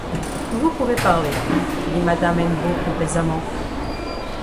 Vous pouvez parler, dit madame Hennebeau complaisamment.